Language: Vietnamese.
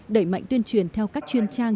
đẩy mạnh tuyên truyền theo các chuyên trang